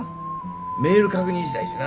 メール確認したいしな。